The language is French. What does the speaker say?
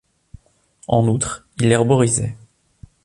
En outre, il herborisait.